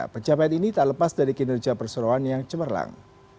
pencapaian ini tak lepas dari kinerja perseroan yang cemerlang